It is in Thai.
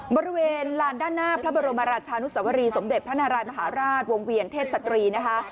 บริเวณลานด้านหน้าพระบรมราชานุสวรีสมเด็จพระนารายมหาราชวงเวียนเทพศตรีนะคะ